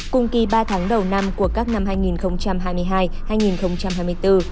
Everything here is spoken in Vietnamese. cùng kỳ ba tháng đầu năm của các năm hai nghìn hai mươi hai hai nghìn hai mươi bốn